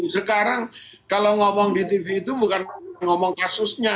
sekarang kalau ngomong di tv itu bukan ngomong kasusnya